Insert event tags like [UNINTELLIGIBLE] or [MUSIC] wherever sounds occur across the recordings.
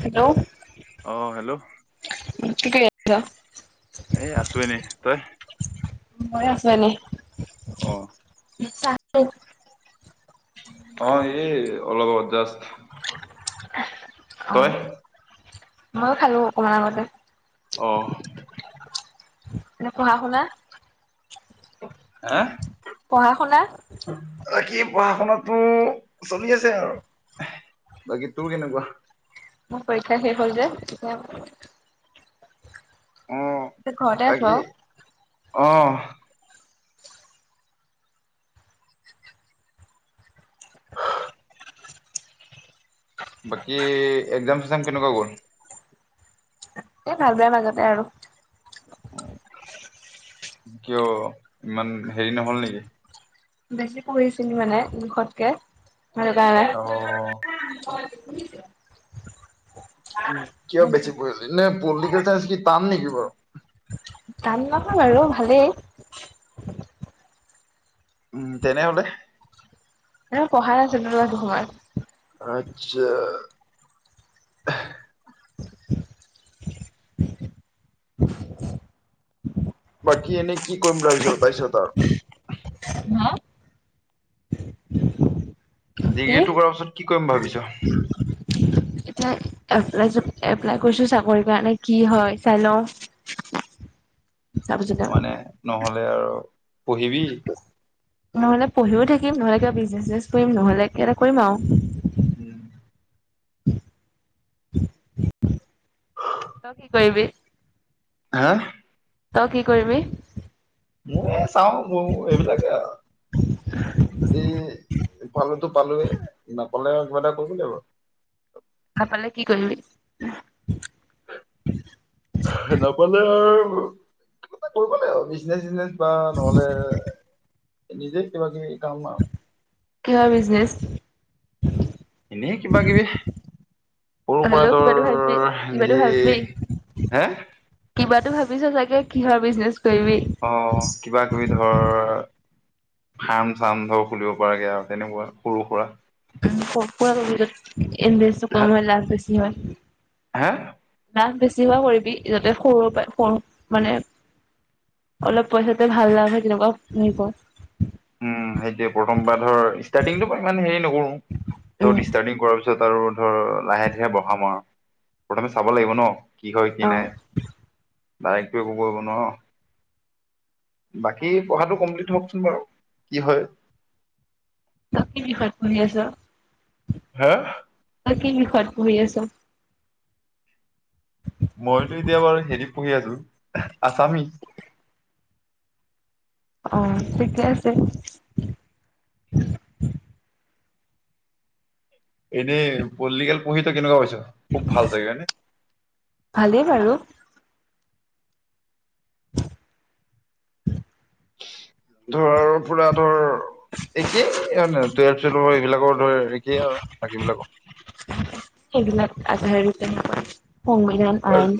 Hello? অঁ, hello? কি কৰি আ? [UNINTELLIGIBLE] এ আছোঁ এনে, তই? মই আছোঁ এনে। অঁ। [UNINTELLIGIBLE] অঁ এই অলপ আগত জাষ্ট। তই অঁ, ময়ো খালোঁ অকমান আগতে। অ'। এনে পঢ়া - শুনা? হা? পঢ়া শুনা? বাকী পঢ়া শুনাটো চলি আছে আৰু বাকী তোৰ কেনেকুৱা? মোৰ পৰীক্ষা শেষ হ'ল যে তেতিয়া অ ঘৰতে আছো বাকী আৰু অহ। [INAUDIBLE] বাকী একজাম চেকজাম কেনেকুৱা গ'ল? এ ভাল বেয়াৰ মাজতে আৰু। কিয় ইমান হেৰি নহল নেকি? বেছি পঢ়িছিলি মানে দুখতকে সেই [UNINTELLIGIBLE] অ। [UNINTELLIGIBLE] উ কিয় বেছি পঢ়িলি নে পলিটিকেল চাইনস কি টান নেকি বাৰু? টান নহয় বাৰু ভালেই। উম তেনেহলে? এ পঢ়াই আছা [UNINTELLIGIBLE] আচ্ছা। বাকী এনেই কি কৰিম বুলি ভাবিছো তাৰপিছত আৰু? কি ডিগ্ৰীটো কৰাৰ পিছত কি কৰিম ভাবিছ? এতিয়া এপ্লাই চেপ, এপ্লাই কৰিছো চাকৰি কাৰণে কি হয় চাই লও। তাৰপিছত মানে নহলে আৰু পঢ়িবি। নহলে পঢ়িও থাকিম, নহলে কিবা বিজনেচ চিজনেছ কৰিম, নহলে কিবা এটা কৰিম আৰু। উম। তই কি কৰিবি? হা! আৰু কি কৰিবি? মইও চাও বও এইবিলাকে আৰু। যদি ইফালেটো পালোৱে, নাপালে কিবা এটা কৰিব লাগিব আৰু। নাপালে কি কৰিবি? নাপালে আৰু, কিবা এটা কৰিব লাগিব আৰু। বিজনেচ চিজনেচ বা নহ'লে নিজে কিবা-কিবি কাম আৰু। কিহৰ বিজনেছ? এনে কিবা-কিবি। সৰু সুৰা হ'লেও কিবাটো ভাবিবি, ধৰ কিবাটো ভাবিবি। নিজেই, হে! কিবাটো ভাবিছা চাগে, কিহৰ বিজনেচ কৰিবি। অ'। কিবা-কিবি ধৰ, ফাৰ্ম-চাৰ্ম ধৰ খুলিব পৰাকে আৰু তেনেকুৱা, সৰু-সুৰা। উম, [INAUDIBLE] ইনফেচ কম হয়, লাভ বেছি হয়। হে? লাভ বেছি হোৱা কৰিবি, যাতে সৰু পৰা সৰু মানে অলপ পইচাতে ভাল লাভ হয়, তেনেকুৱা হেৰি কৰ। উম, সেইটোয়ে প্ৰথম বাৰ ধৰ ষ্টাৰ্টিংটো বৰ্তমান হেৰি নকৰোঁ, উম, ত' ষ্টাৰ্টিং কৰা পিছত পিছত আৰু ধৰ, লাহে ধূৰে বঢ়াম আৰু। প্ৰথমে চাব লাগিব ন। কি হয়, কি অ'। নাই, ডাইৰেক্টটো একো কৰিব নোৱাৰ। বাকী পঢ়াটো কমপ্লিট হওঁকচোন বাৰু, কি হয়। তই কি বিষয়ে পঢ়ি আছ। হেহ আৰু, কি বিষয় ত পঢ়ি আছ। মইতো এতিয়া বাৰু, হেৰিত পঢ়ি আছো আছামি। অ', ঠিকে আছে। এনেই পল্টিকেল পঢ়ি তই কেনেকুৱা পাইছ, খুব ভাল চাগে হয় নে। ভালেই বাৰু। ধৰ, পুৰা ধৰ। একেই এ টুৱেলভ-চুৱেভৰ পোৰা, এইবিলাকৰ ধৰ একেই আৰু বাকী বিলাকৰ। সেইবিলাক আজাৰী তেনে সংবিধান। কাৰণ আইন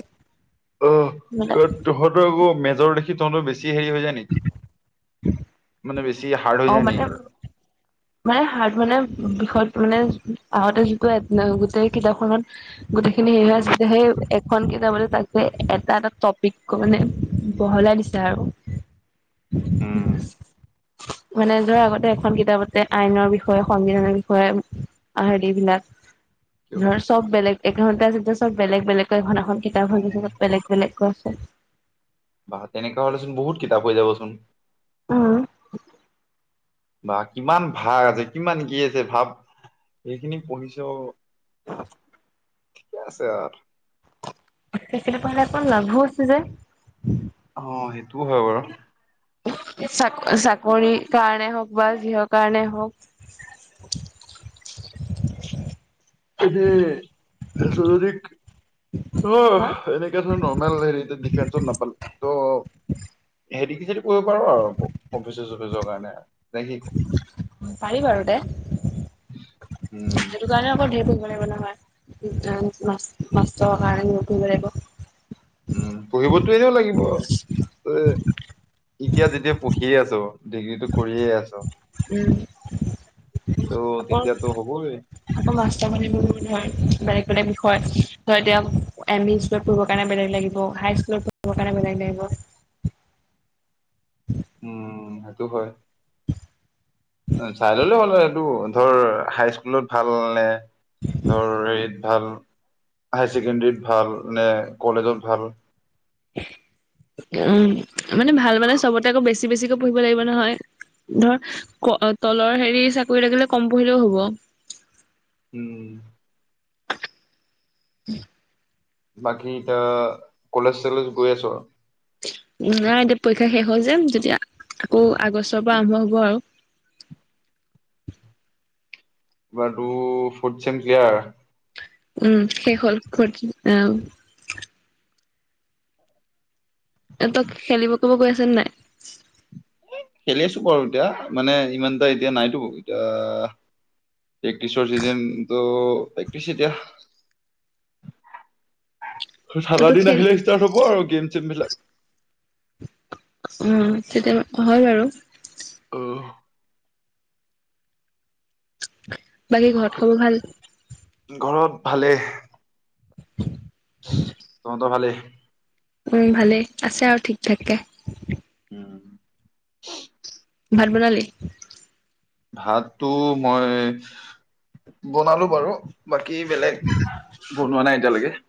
অ', এইবিলাক। কাৰণ তহঁতৰ আকৌ মেজৰ দেখি, তহঁতৰ বেছি বেছি হেৰি হৈ যায় নেকি, মানে বেছি হাৰ্ড হৈ অ', যায় মানে নেকি মানে হাৰ্ড মানে, বিষয় মানে আগতে শিকোৱা একো নাই, গোটেই কিতাপখনত গোটেইখিনি হেৰি হৈ আছিল যে, সেই এখন কিতাপতে তাকে এটা এটা টপিক কৈ মানে বহলাই দিছে আৰু। উম। মানে ধৰা আগতে এখন কিতাপতে, আইনৰ বিষয়ে সংবিধানৰ বিষয়ে আ হেৰি বিলাক উম ধৰ চব বেলেগ, এঘন্টা যেতিয়া চব, বেলেগ বেলেগ তই এখন এখন কিতাপ হৈ অ গৈছে য'ত বেলেগ, বেলেগকৈ আছে। বাহ, তেনেকৈ হ'লেচোন বহুত কিতাপ হৈ যাবচোন। উম। বা কিমান ভাগ আছে, কিমান কি আছে ভাৱ। যিখিনি পঢ়িছ [INAUDIBLE] ঠিকে আছে আৰু। সেইখিনি পঢ়িলে দেখোন লাভো আছে যে। অ, সেইটোও হয় বাৰু। চা, চাকৰি কাৰণে হওক, বা যিহৰ কাৰণে হওক। [UNINTELLIGIBLE] [UNINTELLIGIBLE] নৰ্মেল হেৰি হা [UNINTELLIGIBLE] ডিফেন্সত নাপালো ত' [UNINTELLIGIBLE] কৰিব পাৰ আৰু প প্ৰফেচৰ চফেচৰ কাৰণে নে কি ক! পাৰি বাৰু দে। সেইটো উম কাৰণে আকৌ ধেৰ পঢ়িব লাগিব নহয়, ইণ্টাৰ্ণ, মাষ্টাৰ্ছ কাৰণেও পঢ়িব লাগিব। উম, পঢ়িবতো এনেও লাগিব। এ এতিয়া যেতিয়া পঢ়িয়ে আছ, ডিগ্ৰীটো কৰিয়ে আছ। উম, [UNINTELLIGIBLE] ত' তেতিয়াতো হ'বই আকৌ মাষ্টাৰ [UNINTELLIGIBLE] বেলেগ বেলেগ বিষয় ধৰ এতিয়া এম, ই লত পঢ়িব কাৰণে বেলেগ লাগিব, হাই স্কুলত পঢ়িব কাৰণে বেলেগ লাগিব। [INAUDIBLE] উম, সেইটো হয়। চাই ললে হ'ল হয়, সেইটো ধৰ হাই স্কুলত ভাল নে ধৰ হেৰিত ভাল হাই ছেকেণ্ডৰীত ভাল নে কলেজত ভাল। উম, মানে ভাল মানে চবতে আকৌ বেছি বেছিকৈ পঢ়িব লাগিব নহয়। ধৰ ক, তলৰ হেৰি চাকৰি লাগিলে কম পঢ়িলেও হ'ব। উম। [INAUDIBLE] বাকী এতিয়া কলেজ চলেজ গৈ আছ? নাই এতিয়া পৰীক্ষা শেষ হ'ল যে যেতিয়া আকৌ আগষ্টৰ পৰা আৰম্ভ হ'ব আৰু। আৰু ফৰ্থ ছেম ক্লিয়াৰ? উম শেষ হ'ল ফৰ্থ আহ এ তই খেলিব কৰিব গৈ আছ নে নাই খেলি আছোঁ বাৰু এতিয়া মানে ইমান এটা এতিয়া নাইতো। এতিয়া প্ৰেক্টিচৰ ছিজন ত' প্ৰেক্টিচে এতিয়া ঠাণ্ডা তইতো দিন খেলি আহিলে ষ্টাৰ্ট হ'ব আৰু গেম চেমবিলাক। উম কেতিয়াবা হয় বাৰু অহ বাকী ঘৰত খবৰ ভাল? ঘৰত ভালেই। [INAUDIBLE] তহঁতৰ ভালেই? উম ভালেই। আছে আৰু ঠিক থাক কে। [INAUDIBLE] ভাত বনালি? ভাতটো মই বনালো বাৰু বাকী বেলেগ বনোৱা নাই এতিয়ালৈকে।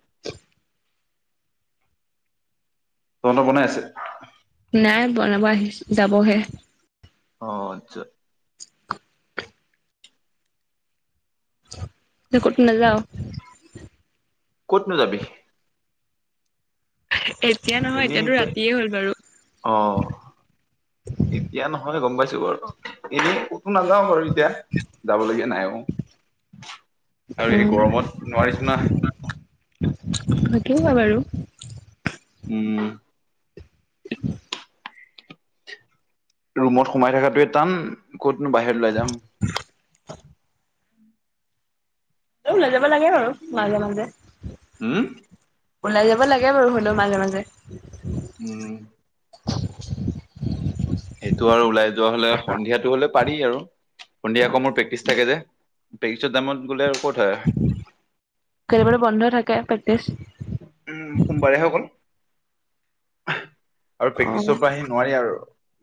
তহঁতৰ বনাই আছে? নাই বনাব আহি, যাবহে। অ আচ্ছা তই ক'তো নাযাও। ক'তনো যাবি এতিয়া নহয় এনেই এতিয়াতো এতিয়া ৰাতিয়ে হ'ল বাৰু অ এতিয়া নহয় গম পাইছো বাৰু এনে কতো নাযাও বাৰু এতিয়া যাবলগীয়া নাই অ আৰু এই উম গৰমত নোৱাৰিছো না সেইটো হয় বাৰু উম ৰুমত সোমাই থকাটোৱে টান ক'তনো বাহিৰত ওলাই যাম [UNINTELLIGIBLE] তেওঁ ওলাই যাব লাগে বাৰু মাজে মাজে হম ওলাই যাব লাগে বাৰু হ'লেও মাজে মাজে উম সেইটো আৰু ওলাই যোৱা হলে সন্ধিয়াটো হলে পাৰি আৰু সন্ধিয়া আকৌ মোৰ প্ৰেকটিছ থাকে যে প্ৰেকটিচৰ টাইমত গ'লে আৰু হয় কেতিয়া বা টো বন্ধ থাকে প্ৰেক্টিচ উম সোমবাৰে হৈ অকল আৰু অ প্ৰেক্টিছৰ পৰা আহিম নোৱাৰি আৰু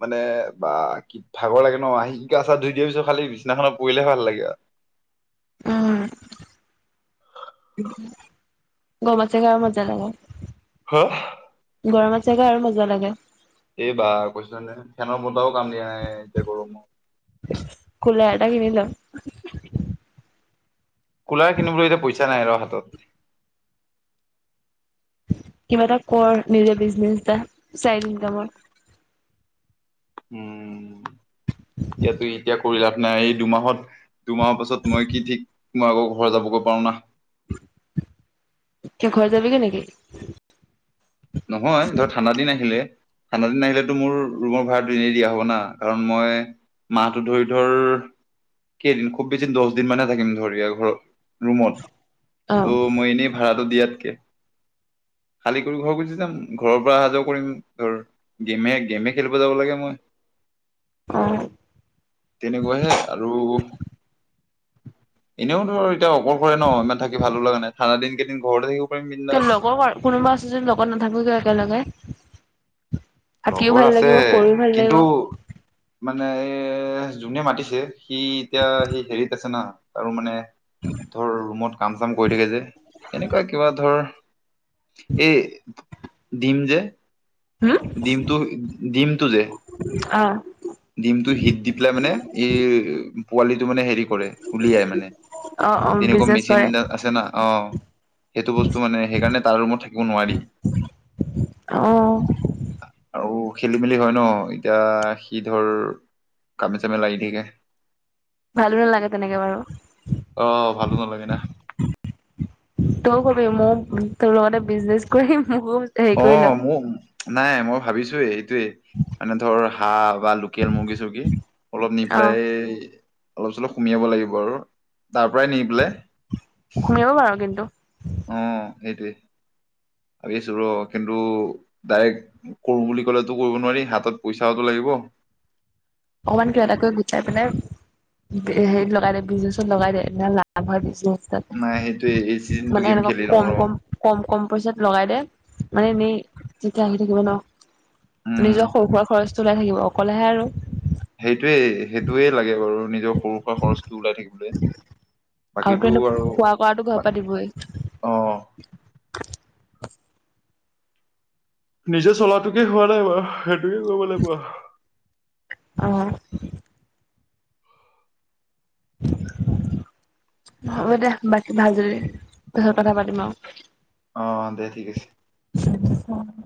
মানে বা কি ভাগৰ লাগে ন আহি গা চা ধুইখালি বিচনাখনত খালি পৰিলেহে ভাল লাগে আৰু উম গৰমত আছে আৰু মজা লাগে হা গৰমত চেগা আৰু মজা লাগে এই বা কৈছ নে ফেনৰ বতাহও কাম দিয়া নাই এই গৰমত কোলাৰ এটা কিনি লও কুলাৰ কিনিবলৈ এতিয়া পইচা নাই ৰ হাতত কিবা এটা কৰ নিজে বিজনেচ এটা চাইড ইনকামৰ উম, এতিয়াটো এতিয়া কৈ লাভ নাই, এই দুমাহত, দুমাহৰ পাছত মই কি ঠিক মই আকৌ ঘৰ যাবগৈ পাৰোঁ নাহ। কিয় ঘৰত যাবিগে নেকি? নহয়, ধৰ ঠাণ্ডা দিন আহিলে। ঠাণ্ডা দিন আহিলেতো মোৰ ৰুমৰ ভাড়াটো এনেই দিয়া হ'ব না, কাৰণ মই মাহটো ধৰি ধৰ কেইদিন? খুব বেছি দছ দিন মানেহে থাকিম ধৰ ইয়াৰ ঘৰত ৰুমত। অ তো' মই এনেই ভাড়াটো দিয়াতকে, খালী কৰি ঘৰ গুছি যাম, ঘৰৰ পৰা অহা যোৱা কৰিম। ধৰ, গেমে গেমে খেলিব যাব লাগে মই। অ', তেনেকুৱাহে আৰু এনেও ধৰ এতিয়া অকলশৰে ন? ইমান থাকি ভালো লগা নাই, ঠাণ্ডা দিন কেইদিন ঘৰতে থাকিব পাৰিম কিয়? বিন্দাছ লগৰ কা কোনোবা আছে যদি লগত নাথাক যে একেলগে? থাকিও লগৰ ভাল আছে লাগিব, কৰিও ভাল কিন্তু লাগিব। মানে, এহ জোনে মাতিছে, সি এতিয়া সি হেৰিত আছে না, আৰু মানে ধৰ ৰুমত কাম চাম কৰি থাকে যে, এনেকুৱা কিবা ধৰ এই ডিম যে হুম, ডিমটোহ ডিমটো যে, অ', ডিমটো হিট দি পেলাই মানে এই পোৱালিটো মানে হেৰি কৰে, উলিয়াই মানে অ', অ', তেনেকুৱা বিজনেচ মেচিন কৰে। এটা আছে না, অ, সেইটো বস্তু মানে সেইকাৰণে তাৰ ৰুমত থাকিব নোৱাৰি। অ', আৰু খেলি-মেলি হয় ন? এতিয়া, সি ধৰ কামে চামে লাগি থাকে। ভালো নেলাগে তেনেকে বাৰু। অ'ভালো নালাগে না। তয়ো কবি, মোক তোৰ লগতে বিজনেচ কৰিম মোকো, হেৰি কৰি ল। অ'মোক নাই মই ভাবিছোঁয়েই, সেটোৱেই। মানে ধৰ হাঁহ বা লোক। কেল মুৰ্গি চুৰ্গি অলপ নি অ', পেলাই অলপ চলপ সুমিয়াব লাগিব আৰু তাৰ পৰাই নি পেলাই। সুমিয়াব পাৰা কিন্তু, অ'সেটোৱেই, ভাবি আছোঁ ৰ' কিন্তু ডাইৰেক্ট কৰোঁ বুলি ক'লেতো কৰিব নোৱাৰি, হাতত পইচাওটো লাগিব। অকমান কিবা এটা কৰি গুটাই পেলাই, এ, হেৰিত লগাই দে, বিজনেচত লগাই দে এনে লাভ হয় পিছত। তাত নাই সেইটোৱে এই চিজনটো মানে গেম এনেকুৱা খেলি লওঁ কম ৰ কম, কম কম পইচাত লগাই দে, মানে এনেই যেতিয়া আহি থাকিব ন। উম নিজৰ সৰু সুৰা খৰচটো ওলাই থাকিব। অকলেহে আৰু সেইটোৱেই, সেইটোৱে লাগে বাৰু নিজ নিজৰ সৰু সুৰা খৰচটো ওলাই থাকিবলে। আৰুতো বাকীটো এনে আৰু খোৱা কৰাটো ঘৰৰ বা, পৰা দিবই। অ'। নিজে চলাটোকে হোৱা নাই বাৰু, সেইটোকে কৰিব লাগিব আৰু অ। [INAUDIBLE] হ'ব দে বাকী ভাল যদি, পিছত কথা পাতিম আৰু অ', দে ঠিক আছে। উম।